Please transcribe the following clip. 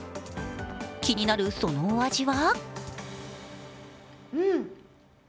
気になるそのお味は？